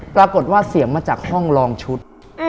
ปรากฏว่าเสียงมาจากห้องลองชุด